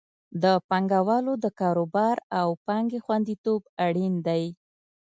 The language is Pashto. د پانګوالو د کاروبار او پانګې خوندیتوب اړین دی.